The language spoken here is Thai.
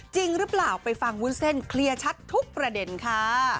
จริงหรือเปล่าไปฟังวุ้นเส้นเคลียร์ชัดทุกประเด็นค่ะ